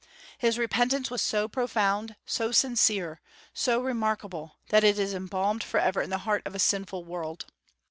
His repentance was so profound, so sincere, so remarkable, that it is embalmed forever in the heart of a sinful world.